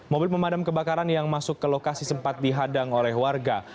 mobil pemadam kebakaran yang masuk ke lokasi sempat dihadang oleh warga